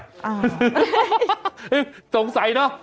สงสัยเนอะ